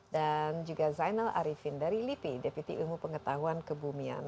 dan juga zainal arifin dari lipi deputi ilmu pengetahuan kebumian